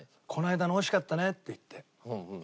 「この間のおいしかったね」って言って。